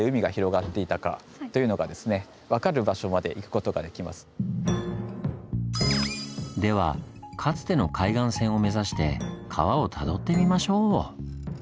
実はですねではかつての海岸線を目指して川をたどってみましょう！